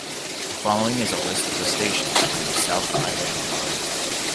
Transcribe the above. The following is a list of the stations on the South Island Line.